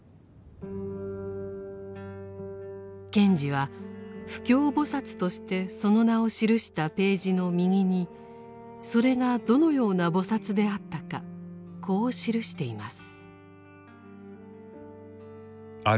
賢治は「不軽菩薩」としてその名を記したページの右にそれがどのような菩薩であったかこう記しています。